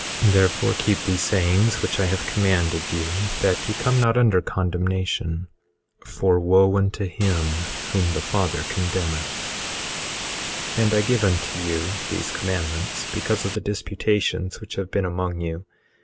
18:33 Therefore, keep these sayings which I have commanded you that ye come not under condemnation; for wo unto him whom the Father condemneth. 18:34 And I give you these commandments because of the disputations which have been among you.